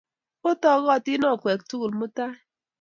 Otogotin okweg tukul mutai